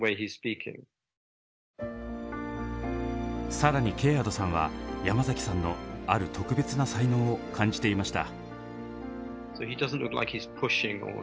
更にケアードさんは山崎さんのある特別な才能を感じていました。